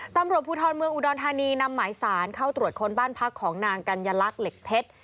ตำรวจภูทรเมืองอุดรธานีนำหมายสารเข้าตรวจค้นบ้านพักของนางกัญลักษณ์เหล็กเพชร